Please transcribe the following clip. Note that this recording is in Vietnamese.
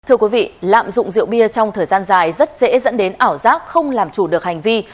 thưa quý vị lạm dụng rượu bia trong thời gian dài rất dễ dẫn đến ảo giác không làm chủ được hành vi